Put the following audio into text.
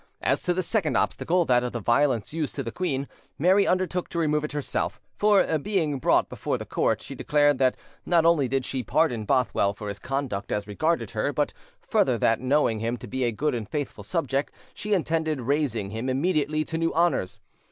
As to the second obstacle, that of the violence used to the queen, Mary undertook to remove it herself; for, being brought before the court, she declared that not only did she pardon Bothwell for his conduct as regarded her, but further that, knowing him to be a good and faithful subject, she intended raising him immediately to new honours.